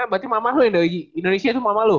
berarti mama lu yang dari indonesia itu mama lu